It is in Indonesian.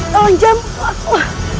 tolong jangan bunuh aku